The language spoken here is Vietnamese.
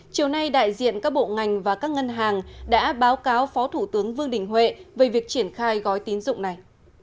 chiều nay đại diện các bộ ngành và các ngân hàng đã báo cáo phó thủ tướng vương đình huệ về việc triển khai gói tín dụng này